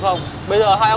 bố mẹ với cả là